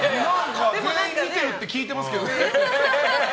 全員見てるって聞いてますけどね。